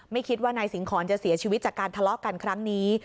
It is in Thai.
ไม่คิดว่านายสิงหอนจะเสียชีวิตจากการทะเลาะกันครั้งนี้